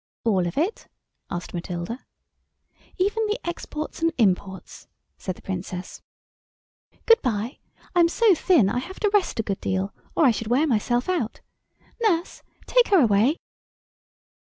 "All of it?" asked Matilda. "Even the exports and imports," said the Princess. "Goodbye, I'm so thin I have to rest a good deal or I should wear myself out. Nurse, take her away."